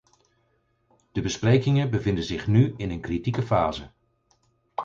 De besprekingen bevinden zich nu in een kritieke fase.